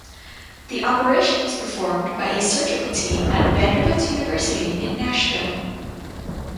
The operation was performed by a surgical team at Vanderbilt University in Nashville.